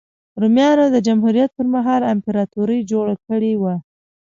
رومیانو د جمهوریت پرمهال امپراتوري جوړه کړې وه.